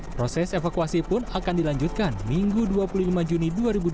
proses evakuasi pun akan dilanjutkan minggu dua puluh lima juni dua ribu dua puluh